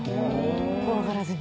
怖がらずに。